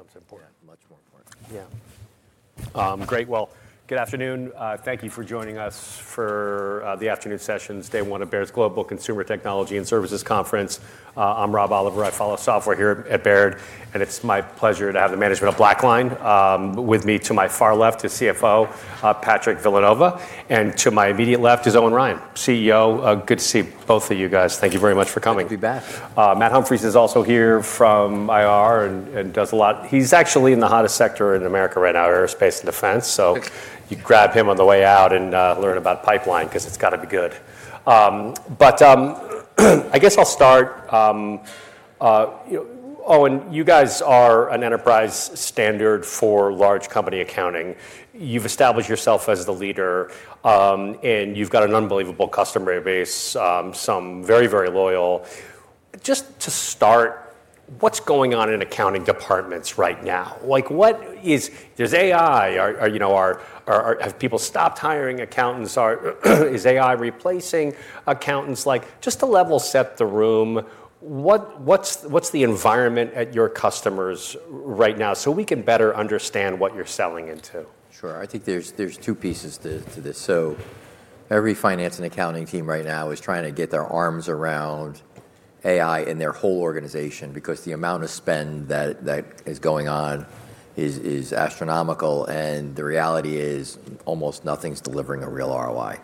More becomes important. Yeah, much more important. Yeah. Great. Good afternoon. Thank you for joining us for the afternoon sessions, day one of Baird Global Consumer, Technology & Services Conference. I'm Rob Oliver. I follow software here at Baird, it's my pleasure to have the management of BlackLine with me. To my far left is CFO, Patrick Villanova, to my immediate left is Owen Ryan, CEO. Good to see both of you guys. Thank you very much for coming. Happy to be back. Matt Humphries is also here from IR and does a lot. He's actually in the hottest sector in America right now, aerospace and defense. You can grab him on the way out and learn about Pipeline because it's got to be good. I guess I'll start. Owen, you guys are an enterprise standard for large company accounting. You've established yourself as the leader, and you've got an unbelievable customer base, some very loyal. Just to start, what's going on in accounting departments right now? There's AI. Have people stopped hiring accountants? Is AI replacing accountants? Just to level set the room, what's the environment at your customers' right now so we can better understand what you're selling into? Sure. I think there's two pieces to this. Every finance and accounting team right now is trying to get their arms around AI in their whole organization because the amount of spend that is going on is astronomical, and the reality is almost nothing's delivering a real ROI.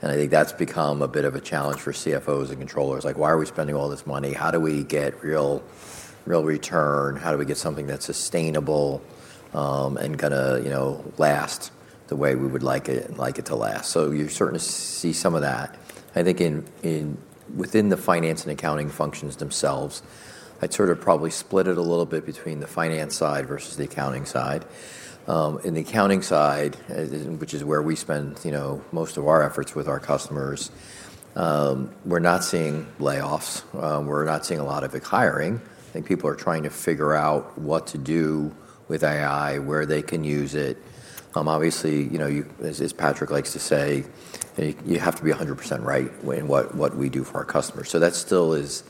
I think that's become a bit of a challenge for CFOs and controllers, like, "Why are we spending all this money? How do we get real return? How do we get something that's sustainable, and last the way we would like it to last?" You certainly see some of that. I think within the finance and accounting functions themselves, I'd probably split it a little bit between the finance side versus the accounting side. In the accounting side, which is where we spend most of our efforts with our customers, we're not seeing layoffs. We're not seeing a lot of hiring. I think people are trying to figure out what to do with AI, where they can use it. Obviously, as Patrick likes to say, you have to be 100% right in what we do for our customers. That still is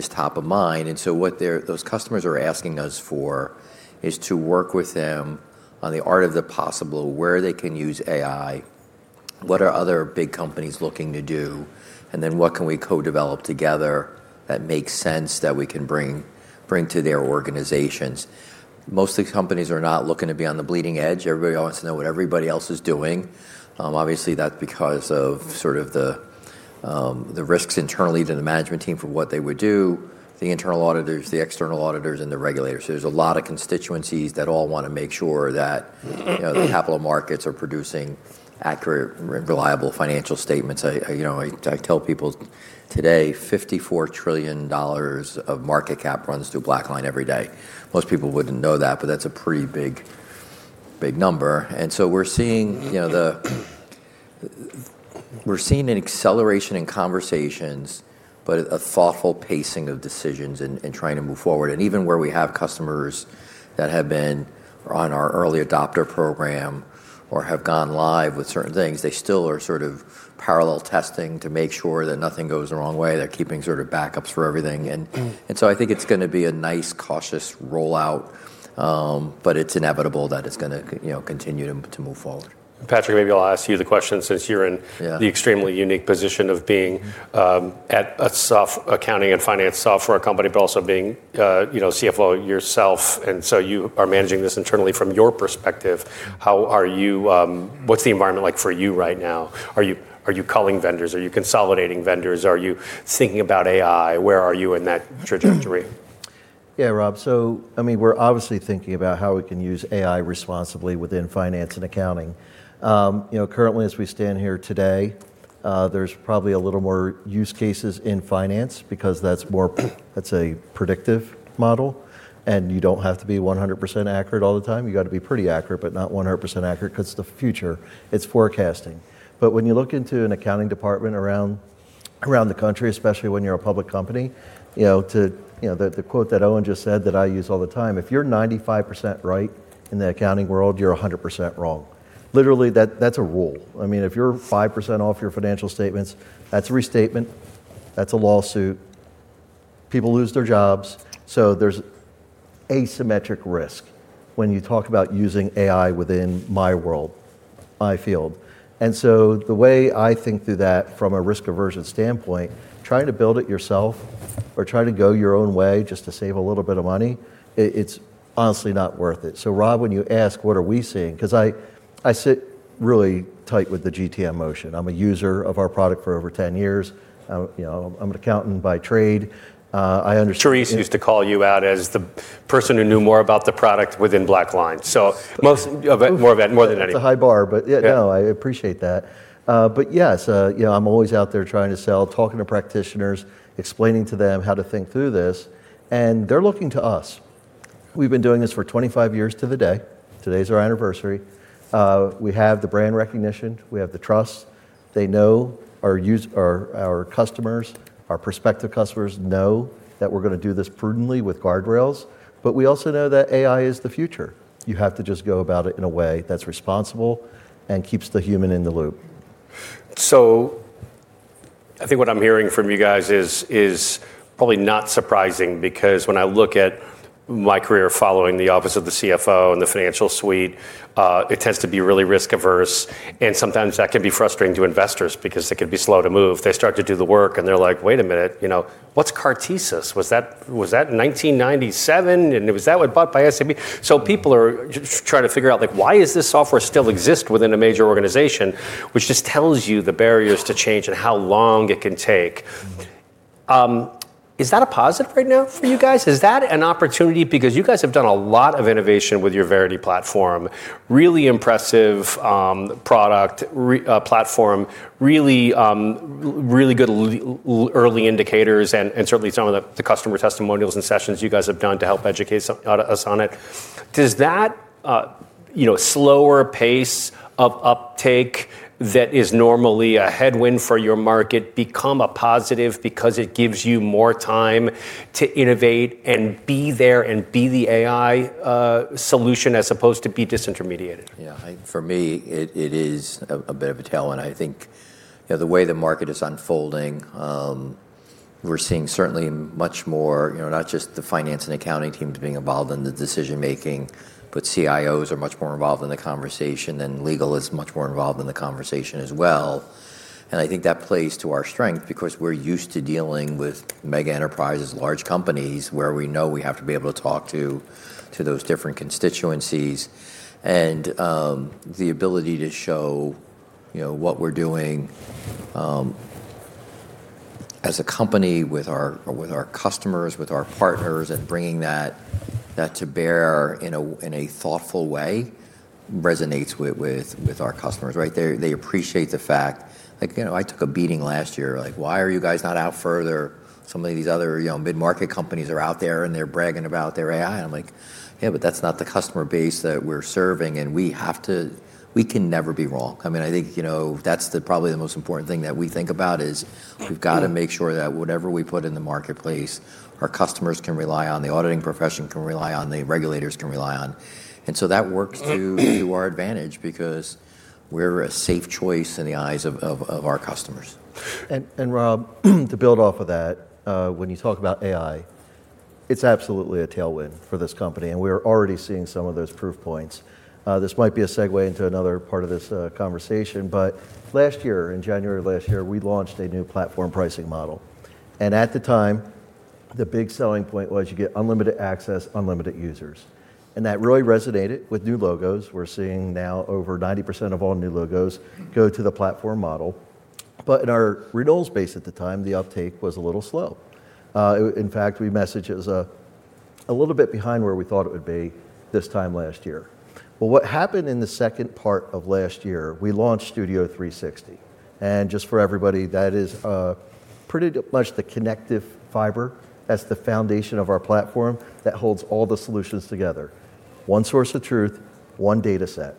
top of mind. What those customers are asking us for is to work with them on the art of the possible, where they can use AI, what are other big companies looking to do, and then what can we co-develop together that makes sense that we can bring to their organizations. Most of the companies are not looking to be on the bleeding edge. Everybody wants to know what everybody else is doing. Obviously, that's because of the risks internally to the management team for what they would do, the internal auditors, the external auditors, and the regulators. There's a lot of constituencies that all want to make sure that the capital markets are producing accurate, reliable financial statements. I tell people today, $54 trillion of market cap runs through BlackLine every day. Most people wouldn't know that, but that's a pretty big number. We're seeing an acceleration in conversations, but a thoughtful pacing of decisions and trying to move forward. Even where we have customers that have been on our early adopter program or have gone live with certain things, they still are parallel testing to make sure that nothing goes the wrong way. They're keeping backups for everything. I think it's going to be a nice cautious rollout. It's inevitable that it's going to continue to move forward. Patrick, maybe I'll ask you the question since you're. Yeah. The extremely unique position of being at a accounting and finance software company, but also being CFO yourself. You are managing this internally from your perspective. What's the environment like for you right now? Are you culling vendors? Are you consolidating vendors? Are you thinking about AI? Where are you in that trajectory? Yeah, Rob. We're obviously thinking about how we can use AI responsibly within finance and accounting. Currently, as we stand here today, there's probably a little more use cases in finance because that's a predictive model, and you don't have to be 100% accurate all the time. You got to be pretty accurate, but not 100% accurate because it's the future. It's forecasting. When you look into an accounting department around the country, especially when you're a public company, the quote that Owen just said that I use all the time, if you're 95% right in the accounting world, you're 100% wrong. Literally, that's a rule. If you're 5% off your financial statements, that's a restatement. That's a lawsuit. People lose their jobs. There's asymmetric risk when you talk about using AI within my world, my field. The way I think through that from a risk aversion standpoint, trying to build it yourself or trying to go your own way just to save a little bit of money, it's honestly not worth it. Rob, when you ask what are we seeing, because I sit really tight with the GTM motion. I'm a user of our product for over 10 years. I'm an accountant by trade. I understand. Therese used to call you out as the person who knew more about the product within BlackLine, more than any. That's a high bar, but yeah. Yeah. No, I appreciate that. Yes, I'm always out there trying to sell, talking to practitioners, explaining to them how to think through this, and they're looking to us. We've been doing this for 25 years to the day. Today's our anniversary. We have the brand recognition. We have the trust. Our customers, our prospective customers know that we're going to do this prudently with guardrails. We also know that AI is the future. You have to just go about it in a way that's responsible and keeps the human in the loop. I think what I'm hearing from you guys is probably not surprising, because when I look at my career following the office of the CFO and the financial suite, it tends to be really risk averse, and sometimes that can be frustrating to investors because they can be slow to move. They start to do the work, they're like, "Wait a minute. What's Cartesis? Was that in 1997? Was that one bought by SAP?" People are trying to figure out, why does this software still exist within a major organization, which just tells you the barriers to change and how long it can take. Is that a positive right now for you guys? Is that an opportunity? You guys have done a lot of innovation with your Verity platform. Really impressive product platform. Really good early indicators and certainly some of the customer testimonials and sessions you guys have done to help educate us on it. Does that slower pace of uptake that is normally a headwind for your market become a positive because it gives you more time to innovate and be there and be the AI solution as opposed to be disintermediated? For me, it is a bit of a tailwind. I think the way the market is unfolding, we're seeing certainly much more, not just the finance and accounting teams being involved in the decision making, but CIOs are much more involved in the conversation. Legal is much more involved in the conversation as well. I think that plays to our strength because we're used to dealing with mega enterprises, large companies, where we know we have to be able to talk to those different constituencies. The ability to show what we're doing as a company with our customers, with our partners, and bringing that to bear in a thoughtful way resonates with our customers. They appreciate the fact. I took a beating last year, like, "Why are you guys not out further? Some of these other mid-market companies are out there, and they're bragging about their AI." I'm like, "Yeah, but that's not the customer base that we're serving, and we can never be wrong." I think that's probably the most important thing that we think about is we've got to make sure that whatever we put in the marketplace, our customers can rely on, the auditing profession can rely on, the regulators can rely on. That works to our advantage because we're a safe choice in the eyes of our customers. Rob, to build off of that, when you talk about AI, it's absolutely a tailwind for this company, and we're already seeing some of those proof points. This might be a segue into another part of this conversation, last year, in January of last year, we launched a new platform pricing model. At the time, the big selling point was you get unlimited access, unlimited users. That really resonated with new logos. We're seeing now over 90% of all new logos go to the platform model. In our renewals base at the time, the uptake was a little slow. In fact, we message it was a little bit behind where we thought it would be this time last year. What happened in the second part of last year, we launched Studio 360. Just for everybody, that is pretty much the connective fiber. That's the foundation of our platform that holds all the solutions together. One source of truth, one dataset.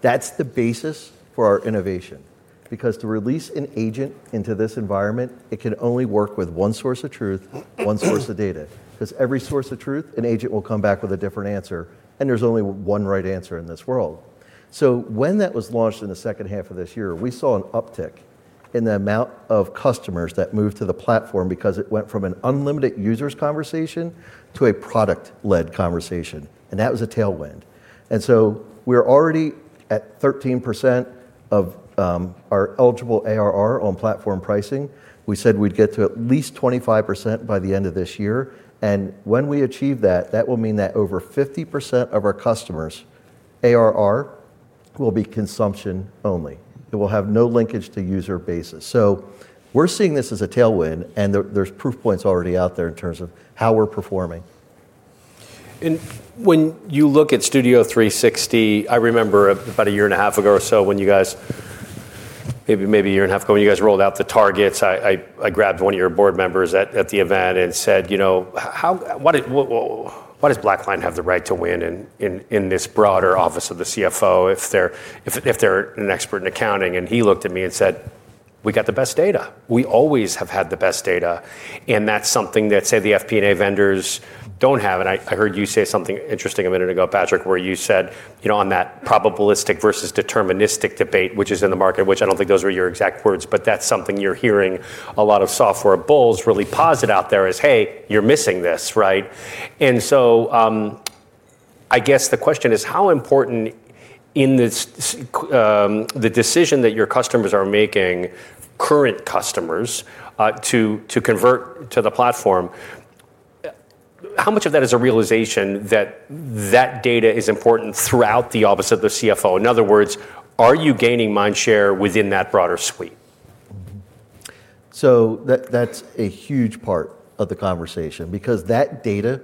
That's the basis for our innovation, because to release an agent into this environment, it can only work with one source of truth, one source of data. Because every source of truth, an agent will come back with a different answer, and there's only one right answer in this world. When that was launched in the second half of this year, we saw an uptick in the amount of customers that moved to the platform because it went from an unlimited users conversation to a product-led conversation, and that was a tailwind. We're already at 13% of our eligible ARR on platform pricing. We said we'd get to at least 25% by the end of this year. When we achieve that will mean that over 50% of our customers' ARR will be consumption only. It will have no linkage to user basis. We're seeing this as a tailwind, and there's proof points already out there in terms of how we're performing. When you look at Studio 360, I remember about a year and a half ago or so, when you guys, maybe a year and a half ago, when you guys rolled out the targets, I grabbed one of your board members at the event and said, "Why does BlackLine have the right to win in this broader office of the CFO if they're an expert in accounting?" He looked at me and said, "We got the best data. We always have had the best data." That's something that, say, the FP&A vendors don't have. I heard you say something interesting a minute ago, Patrick, where you said, on that probabilistic versus deterministic debate, which is in the market, which I don't think those were your exact words, but that's something you're hearing a lot of software bulls really posit out there as, "Hey, you're missing this." I guess the question is, how important in the decision that your customers are making, current customers, to convert to the platform, how much of that is a realization that that data is important throughout the office of the CFO? In other words, are you gaining mind share within that broader suite? That's a huge part of the conversation because that data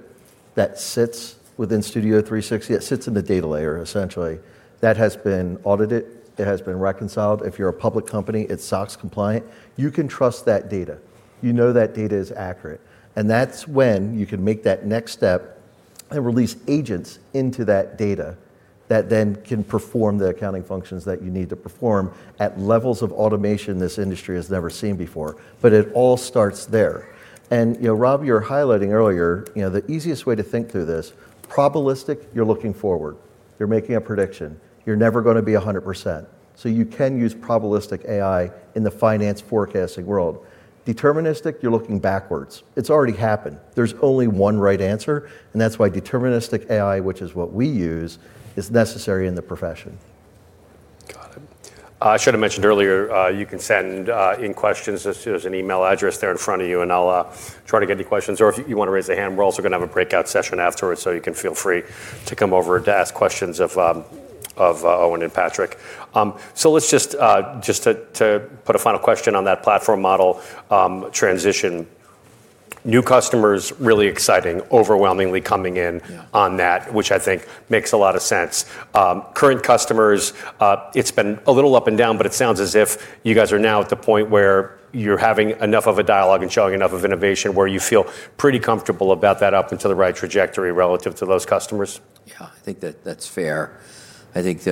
that sits within Studio 360, it sits in the data layer, essentially. That has been audited. It has been reconciled. If you're a public company, it's SOX compliant. You can trust that data. You know that data is accurate. That's when you can make that next step and release agents into that data that then can perform the accounting functions that you need to perform at levels of automation this industry has never seen before, but it all starts there. Rob, you were highlighting earlier, the easiest way to think through this, probabilistic, you're looking forward. You're making a prediction. You're never going to be 100%. So you can use probabilistic AI in the finance forecasting world. Deterministic, you're looking backwards. It's already happened. There's only one right answer, and that's why deterministic AI, which is what we use, is necessary in the profession. Got it. I should have mentioned earlier, you can send in questions. There's an email address there in front of you, and I'll try to get any questions, or if you want to raise a hand, we're also going to have a breakout session afterwards, so you can feel free to come over to ask questions of Owen and Patrick. Let's just, to put a final question on that platform model transition. New customers, really exciting, overwhelmingly coming in. Yeah. On that, which I think makes a lot of sense. Current customers, it's been a little up and down, but it sounds as if you guys are now at the point where you're having enough of a dialogue and showing enough of innovation where you feel pretty comfortable about that up until the right trajectory relative to those customers. Yeah, I think that's fair. If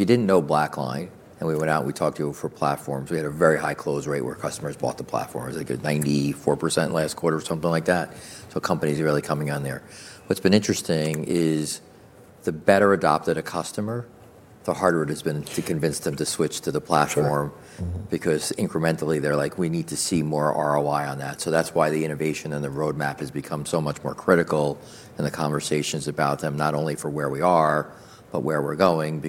you didn't know BlackLine, and we went out and we talked to you for platforms, we had a very high close rate where customers bought the platform. It was a good 94% last quarter or something like that. Companies are really coming on there. What's been interesting is the better adopted a customer, the harder it has been to convince them to switch to the platform. Sure. Mm-hmm. Incrementally they're like, "We need to see more ROI on that." That's why the innovation and the roadmap has become so much more critical in the conversations about them, not only for where we are, but where we're going.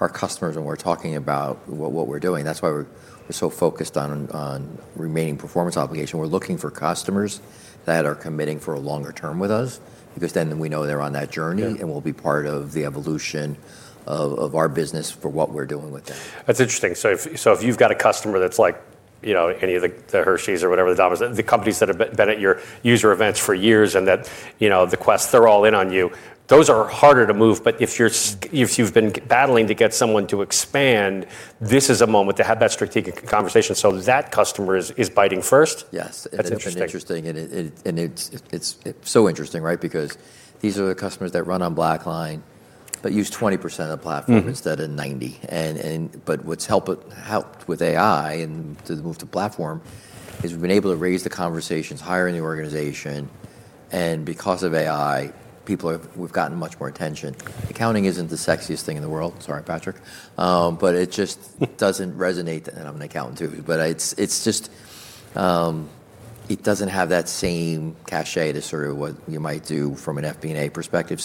Our customers, when we're talking about what we're doing, that's why we're so focused on remaining performance obligation. We're looking for customers that are committing for a longer term with us. Then we know they're on that journey. Yeah. We'll be part of the evolution of our business for what we're doing with them. That's interesting. If you've got a customer that's like any of the Hershey's or whatever it was, the companies that have been at your user events for years and that the Quest, they're all in on you, those are harder to move. If you've been battling to get someone to expand, this is a moment to have that strategic conversation so that customer is biting first? Yes. That's interesting. It's so interesting, right? These are the customers that run on BlackLine but use 20% of the platform. Instead of 90. What's helped with AI and to move to platform is we've been able to raise the conversations higher in the organization, and because of AI, we've gotten much more attention. Accounting isn't the sexiest thing in the world. Sorry, Patrick. It just, doesn't resonate. I'm an accountant, too, but it doesn't have that same cachet as sort of what you might do from an FP&A perspective.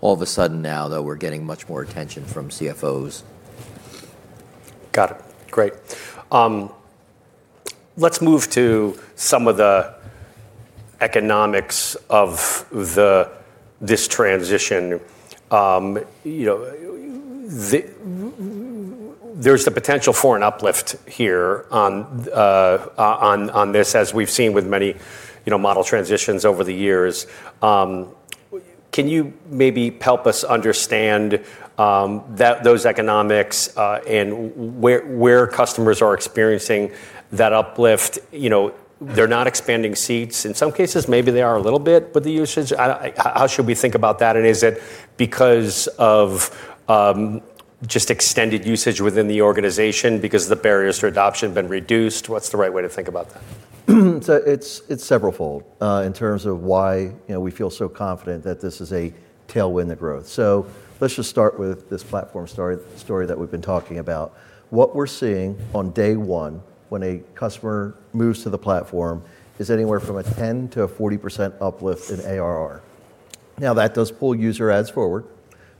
All of a sudden now, though, we're getting much more attention from CFOs. Got it. Great. Let's move to some of the economics of this transition. There's the potential for an uplift here on this, as we've seen with many model transitions over the years. Can you maybe help us understand those economics, and where customers are experiencing that uplift? They're not expanding seats. In some cases, maybe they are a little bit. How should we think about that? Is it because of just extended usage within the organization because the barriers to adoption have been reduced? What's the right way to think about that? It's several fold in terms of why we feel so confident that this is a tailwind to growth. Let's just start with this platform story that we've been talking about. What we're seeing on day one when a customer moves to the platform is anywhere from a 10%-40% uplift in ARR. Now, that does pull user adds forward,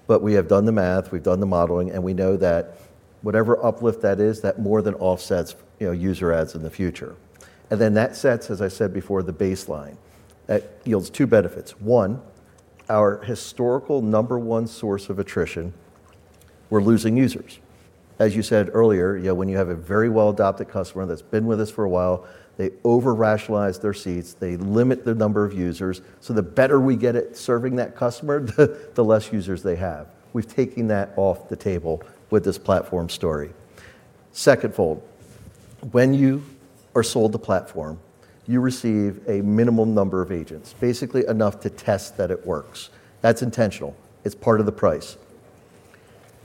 but we have done the math, We've done the modeling, and we know that whatever uplift that is, that more than offsets user adds in the future. Then that sets, as I said before, the baseline. That yields two benefits. One, our historical number one source of attrition, we're losing users. As you said earlier, when you have a very well-adopted customer that's been with us for a while, they over-rationalize their seats, they limit the number of users. The better we get at serving that customer, the less users they have. We've taken that off the table with this platform story. Second fold, when you are sold the platform, you receive a minimal number of agents, basically enough to test that it works. That's intentional. It's part of the price.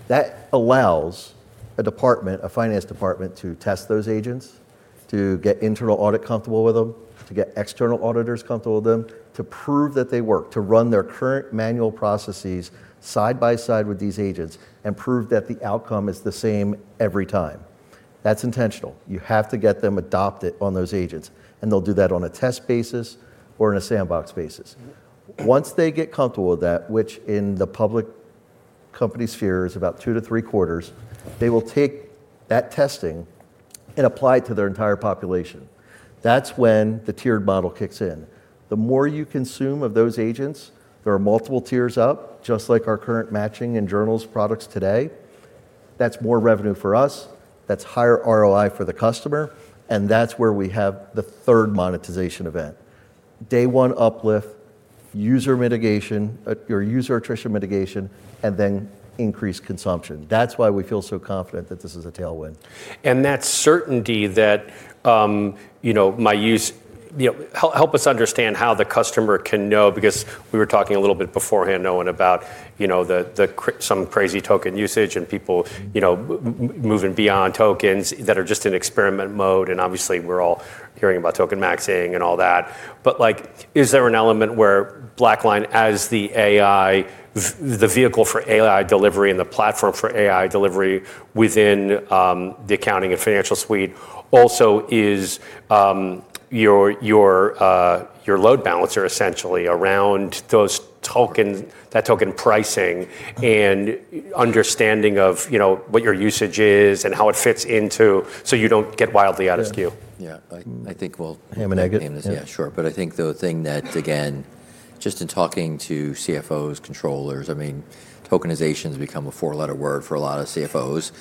That allows a finance department to test those agents, to get internal audit comfortable with them, to get external auditors comfortable with them, to prove that they work, to run their current manual processes side by side with these agents and prove that the outcome is the same every time. That's intentional. You have to get them adopted on those agents, and they'll do that on a test basis or on a sandbox basis. Once they get comfortable with that, which in the public company sphere is about two to three quarters, they will take that testing and apply it to their entire population. That's when the tiered model kicks in. The more you consume of those agents, there are multiple tiers up, just like our current matching and journals products today. That's more revenue for us, that's higher ROI for the customer, that's where we have the third monetization event. Day one uplift, user attrition mitigation, and then increased consumption. That's why we feel so confident that this is a tailwind. That certainty that my use, help us understand how the customer can know, because we were talking a little bit beforehand, Owen, about some crazy token usage and people moving beyond tokens that are just in experiment mode. Obviously, we're all hearing about token maxing and all that. Is there an element where BlackLine, as the vehicle for AI delivery and the platform for AI delivery within the accounting and financial suite, also is your load balancer, essentially, around that token pricing and understanding of what your usage is and how it fits into so you don't get wildly out of skew? Yeah. I think. Ham and egg it. Yeah, sure. I think the thing that, again, just in talking to CFOs, controllers, tokenization's become a four-letter word for a lot of CFOs.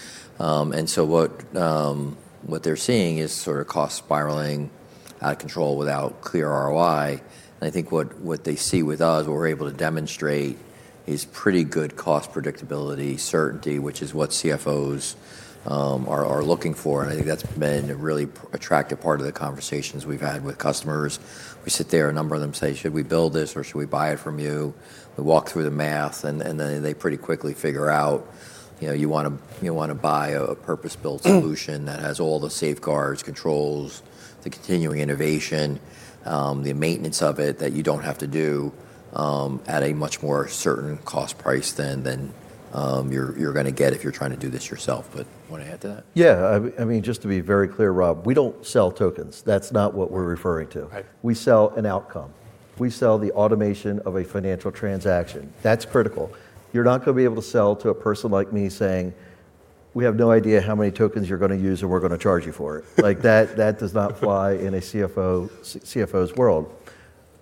What they're seeing is cost spiraling out of control without clear ROI. I think what they see with us, what we're able to demonstrate is pretty good cost predictability, certainty, which is what CFOs are looking for. I think that's been a really attractive part of the conversations we've had with customers. We sit there, a number of them say, "Should we build this or should we buy it from you?" We walk through the math, and then they pretty quickly figure out, you want to buy a purpose-built solution that has all the safeguards, controls, the continuing innovation, the maintenance of it that you don't have to do, at a much more certain cost price than you're going to get if you're trying to do this yourself. Want to add to that? Yeah. Just to be very clear, Rob, we don't sell tokens. That's not what we're referring to. Right. We sell an outcome. We sell the automation of a financial transaction. That's critical. You're not going to be able to sell to a person like me saying, "We have no idea how many tokens you're going to use, and we're going to charge you for it." That does not fly in a CFO's world.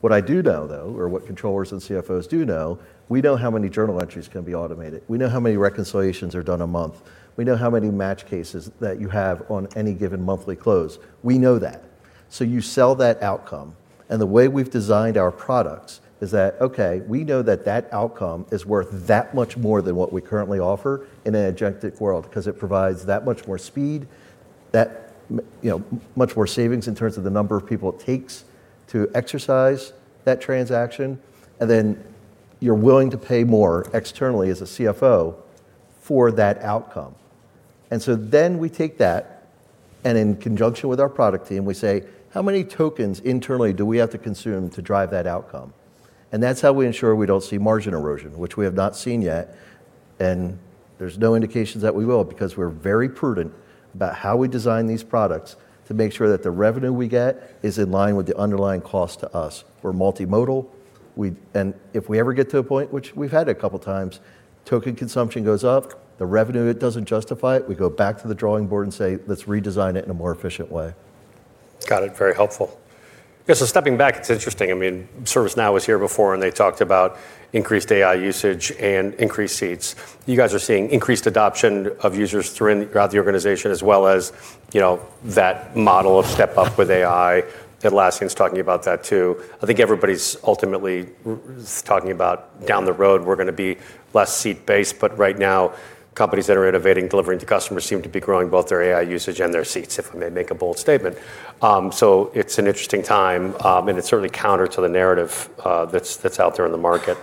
What I do know, though, or what controllers and CFOs do know, we know how many journal entries can be automated. We know how many reconciliations are done a month. We know how many match cases that you have on any given monthly close. We know that. You sell that outcome, and the way we've designed our products is that, okay, we know that that outcome is worth that much more than what we currently offer in an agentic world, because it provides that much more speed, that much more savings in terms of the number of people it takes to exercise that transaction. Then you're willing to pay more externally as a CFO for that outcome. Then we take that, and in conjunction with our product team, we say, "How many tokens internally do we have to consume to drive that outcome?" That's how we ensure we don't see margin erosion, which we have not seen yet. There's no indications that we will, because we're very prudent about how we design these products to make sure that the revenue we get is in line with the underlying cost to us. We're multimodal. If we ever get to a point, which we've had a couple of times, token consumption goes up, the revenue, it doesn't justify it, we go back to the drawing board and say, "Let's redesign it in a more efficient way. Got it. Very helpful. Stepping back, it's interesting. ServiceNow was here before, and they talked about increased AI usage and increased seats. You guys are seeing increased adoption of users throughout the organization as well as that model of step up with AI. Atlassian's talking about that, too. I think everybody's ultimately talking about down the road, we're going to be less seat-based, but right now, companies that are innovating, delivering to customers seem to be growing both their AI usage and their seats, if I may make a bold statement. It's an interesting time, and it's certainly counter to the narrative that's out there in the market.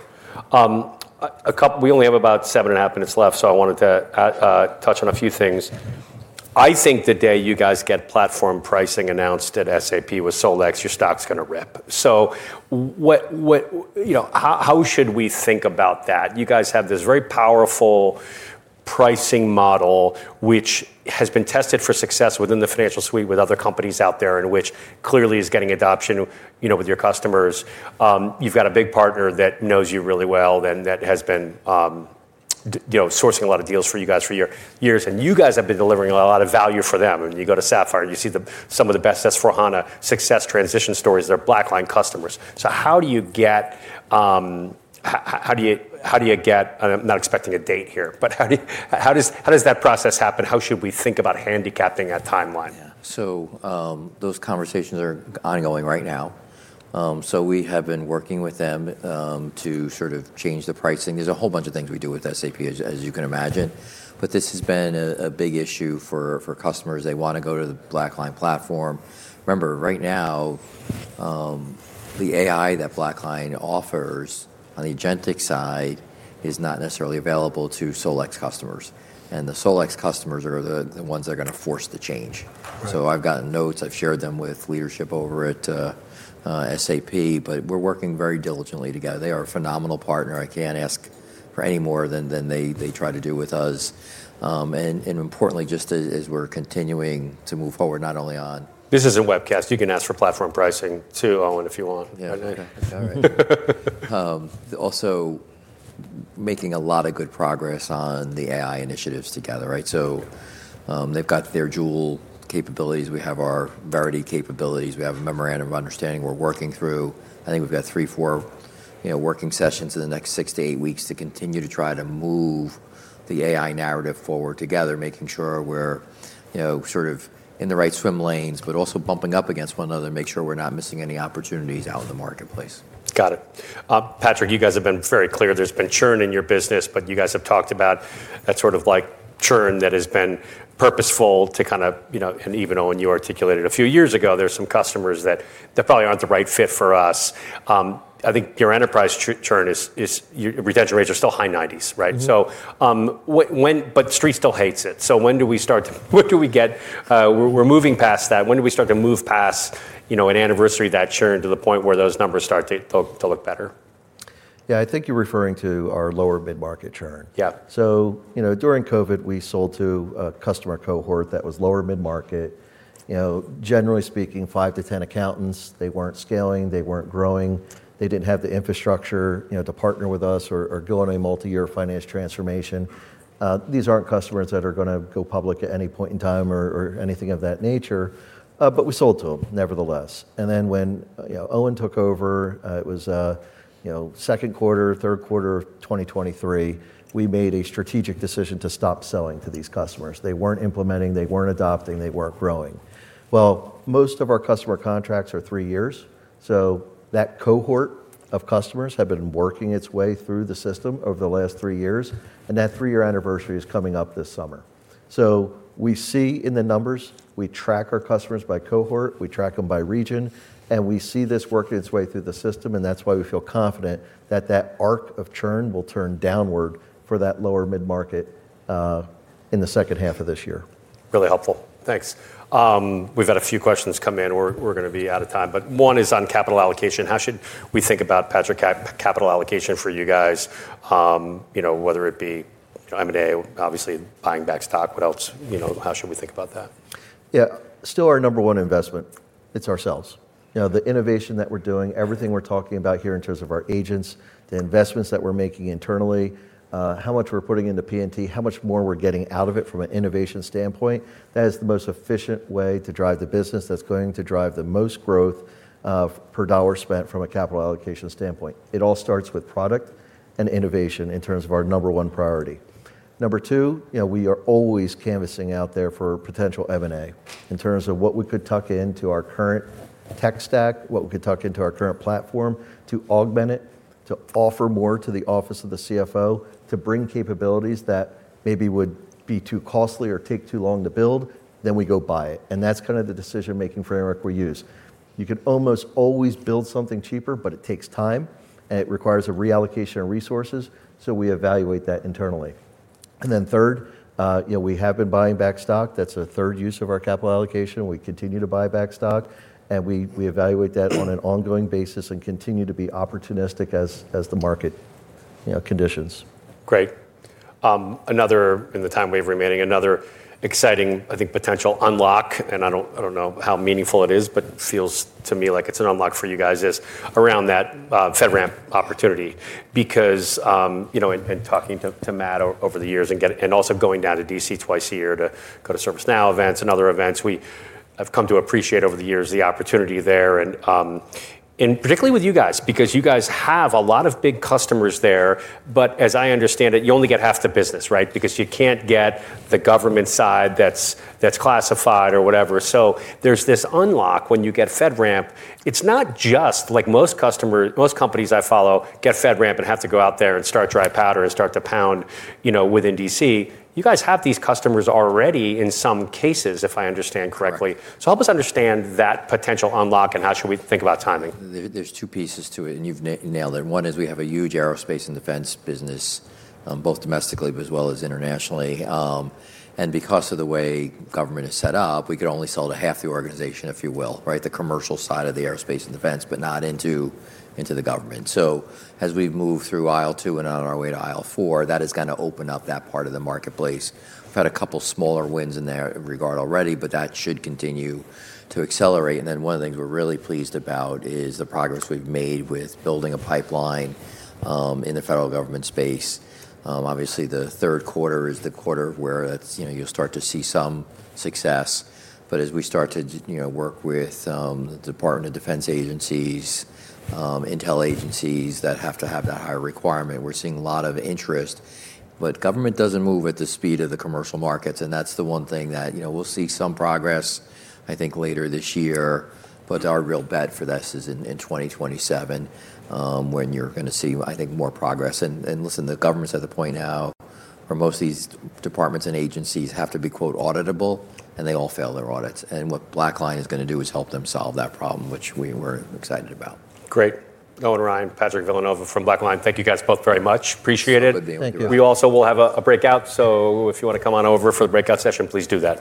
We only have about seven and a half minutes left, so I wanted to touch on a few things. I think the day you guys get platform pricing announced at SAP with SolEx, your stock's going to rip. How should we think about that? You guys have this very powerful pricing model, which has been tested for success within the financial suite with other companies out there, and which clearly is getting adoption with your customers. You've got a big partner that knows you really well and that has been sourcing a lot of deals for you guys for years, and you guys have been delivering a lot of value for them. You go to SAP Sapphire, you see some of the best S/4HANA success transition stories, they're BlackLine customers. I'm not expecting a date here, but how does that process happen? How should we think about handicapping a timeline? Yeah. Those conversations are ongoing right now. We have been working with them to change the pricing. There's a whole bunch of things we do with SAP, as you can imagine. This has been a big issue for customers. They want to go to the BlackLine platform. Remember, right now, the AI that BlackLine offers on the agentic side is not necessarily available to SolEx customers. The SolEx customers are the ones that are going to force the change. Right. I've gotten notes, I've shared them with leadership over at SAP, but we're working very diligently together. They are a phenomenal partner. I can't ask for any more than they try to do with us. Importantly, just as we're continuing to move forward, not only. This is a webcast. You can ask for platform pricing, too, Owen, if you want. Yeah, I know. All right. Also making a lot of good progress on the AI initiatives together, right? They've got their Joule capabilities. We have our Verity capabilities. We have a memorandum of understanding we're working through. I think we've got three, four working sessions in the next six to eight weeks to continue to try to move the AI narrative forward together, making sure we're in the right swim lanes, but also bumping up against one another to make sure we're not missing any opportunities out in the marketplace. Got it. Patrick, you guys have been very clear. There's been churn in your business, but you guys have talked about that sort of churn that has been purposeful. Even Owen, you articulated a few years ago, there's some customers that probably aren't the right fit for us. I think your enterprise churn is, your retention rates are still high 90s, right? Street still hates it. What do we get? We're moving past that. When do we start to move past an anniversary of that churn to the point where those numbers start to look better? Yeah, I think you're referring to our lower mid-market churn. Yeah. During COVID, we sold to a customer cohort that was lower mid-market, generally speaking, five to 10 accountants. They weren't scaling, they weren't growing, they didn't have the infrastructure to partner with us or go on a multi-year finance transformation. These aren't customers that are going to go public at any point in time or anything of that nature. We sold to them nevertheless. When Owen took over, it was Q2, Q3 of 2023, we made a strategic decision to stop selling to these customers. They weren't implementing, they weren't adopting, they weren't growing. Well, most of our customer contracts are three years. That cohort of customers have been working its way through the system over the last three years, and that three-year anniversary is coming up this summer. We see in the numbers, we track our customers by cohort, we track them by region, and we see this working its way through the system. That's why we feel confident that that arc of churn will turn downward for that lower mid-market in the second half of this year. Really helpful. Thanks. We've had a few questions come in. We're going to be out of time. One is on capital allocation. How should we think about, Patrick, capital allocation for you guys? Whether it be M&A, obviously buying back stock, what else? How should we think about that? Yeah, still our number one investment, it's ourselves. The innovation that we're doing, everything we're talking about here in terms of our agents, the investments that we're making internally, how much we're putting into P&T, how much more we're getting out of it from an innovation standpoint, that is the most efficient way to drive the business that's going to drive the most growth per dollar spent from a capital allocation standpoint. It all starts with product and innovation in terms of our number one priority. Number two, we are always canvassing out there for potential M&A in terms of what we could tuck into our current tech stack, what we could tuck into our current platform to augment it, to offer more to the office of the CFO, to bring capabilities that maybe would be too costly or take too long to build. We go buy it. That's the decision-making framework we use. You can almost always build something cheaper, but it takes time, and it requires a reallocation of resources. We evaluate that internally. Third, we have been buying back stock. That's a third use of our capital allocation. We continue to buy back stock, and we evaluate that on an ongoing basis and continue to be opportunistic as the market conditions. Great. In the time we have remaining, another exciting, I think, potential unlock, and I don't know how meaningful it is, but feels to me like it's an unlock for you guys, is around that FedRAMP opportunity. In talking to Matt over the years and also going down to D.C. twice a year to go to ServiceNow events and other events, we have come to appreciate over the years the opportunity there and particularly with you guys, because you guys have a lot of big customers there. As I understand it, you only get half the business, right? Because you can't get the government side that's classified or whatever. There's this unlock when you get FedRAMP. It's not just like most companies I follow get FedRAMP and have to go out there and start dry powder and start to pound within D.C. You guys have these customers already in some cases, if I understand correctly. Right. Help us understand that potential unlock and how should we think about timing. There's two pieces to it, and you've nailed it. One is we have a huge aerospace and defense business, both domestically as well as internationally. Because of the way government is set up, we could only sell to half the organization, if you will, right? The commercial side of the aerospace and defense, but not into the government. As we move through IL-2 and on our way to IL-4, that is going to open up that part of the marketplace. We've had a couple smaller wins in that regard already, but that should continue to accelerate. One of the things we're really pleased about is the progress we've made with building a Pipeline in the federal government space. Obviously, the Q3 is the quarter where you'll start to see some success. As we start to work with Department of Defense agencies, intel agencies that have to have that higher requirement, we're seeing a lot of interest. Government doesn't move at the speed of the commercial markets, and that's the one thing that we'll see some progress, I think, later this year. Our real bet for this is in 2027, when you're going to see, I think, more progress. Listen, the government's at the point now where most of these departments and agencies have to be, quote, "auditable," and they all fail their audits. What BlackLine is going to do is help them solve that problem, which we were excited about. Great. Owen Ryan, Patrick Villanova from BlackLine. Thank you guys both very much. Appreciate it. It's good being here. Thank you. We also will have a breakout, so if you want to come on over for the breakout session, please do that.